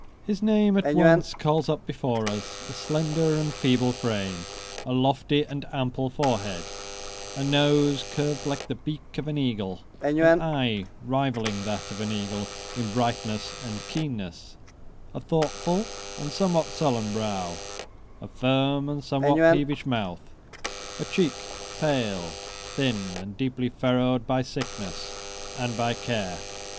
His name at once calls up before us a slender and feeble frame, a lofty and ample forehead, a nose curved like the beak of an eagle, an eye rivalling that of an eagle in brightness and keenness, a thoughtful and somewhat sullen brow, a firm and somewhat peevish mouth, a cheek pale, thin, and deeply furrowed by sickness and by care.